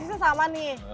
kan posisi sama nih